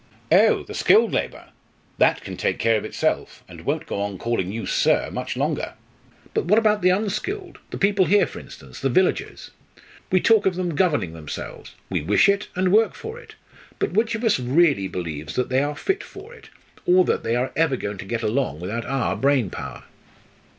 '" "Oh! the skilled labour! that can take care of itself, and won't go on calling you 'sir' much longer. But what about the unskilled the people here for instance the villagers? We talk of their governing themselves; we wish it, and work for it. But which of us really believes that they are fit for it, or that they are ever going to get along without our brain power?"